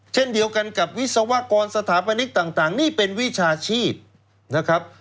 เช่นเดียวกันกับวิศวกรสถาปนิกต่างนี่เป็นวิชาชีพนะครับ